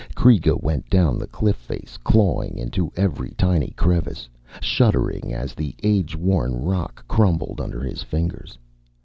Kreega went down the cliff face, clawing into every tiny crevice, shuddering as the age worn rock crumbled under his fingers.